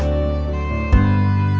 aku mau ke sana